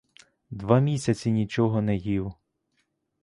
Два місяці нічого не їв!